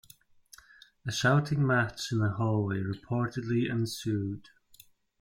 A shouting match in a hallway reportedly ensued.